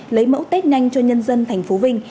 lấy mẫu tết nhanh cho nhân dân tp vinh